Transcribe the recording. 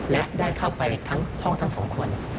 และได้เข้าไปทั้งห้องทั้งสองคน